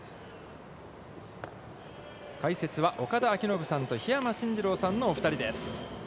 解説は岡田彰布さんと、桧山進次郎さんのお二人です。